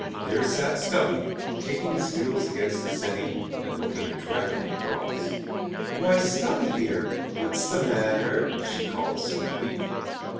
There sat Stubby, kicking his heels against the settee and looking dreadfully cross. "Why, Stubby dear, what's the matter?" she called sweetly.